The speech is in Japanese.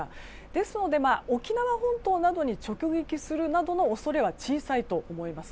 ですので沖縄本島などに直撃する恐れは小さいと思います。